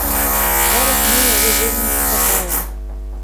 Зараз мне яе вельмі не хапае.